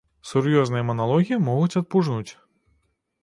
Сур'ёзныя маналогі могуць адпужнуць.